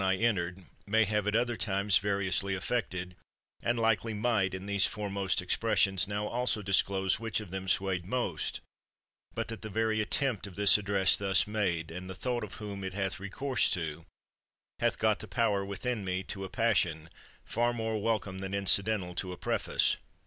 79 THE WORLD'S FAMOUS ORATIONS entered, may have at other times variously affected; and likely might in these foremost ex pressions now also disclose which of them swayed most, but that the very attempt of this address thus made, and the thought of whom it hath recourse to, hath got the power within me to a passion, far more welcome than incidental to a preface.